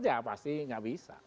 ya pasti tidak bisa